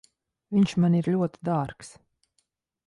Viņš man ir ļoti dārgs.